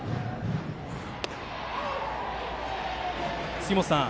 杉本さん